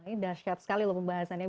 ini dahsyat sekali pembahasannya